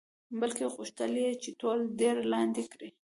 بلکې غوښتل یې چې ټول دیر لاندې کړي.